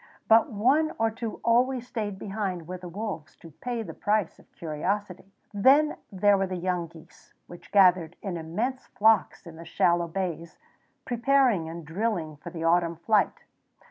But one or two always stayed behind with the wolves to pay the price of curiosity. Then there were the young geese, which gathered in immense flocks in the shallow bays, preparing and drilling for the autumn flight.